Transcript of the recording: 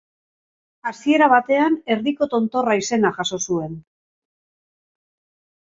Hasiera batean Erdiko Tontorra izena jaso zuen.